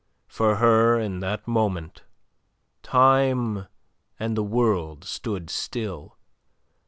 For her in that moment time and the world stood still.